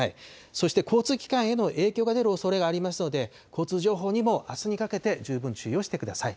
そして交通機関への影響が出るおそれがありますので、交通情報にもあすにかけて、十分注意をしてください。